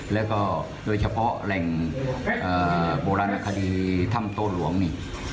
แล้วก็โดยเฉพาะแหล่งโบราณคดีถ้ำโตหลวงนี่